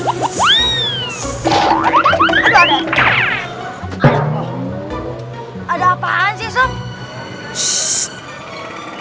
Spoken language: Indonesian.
ada apaan sih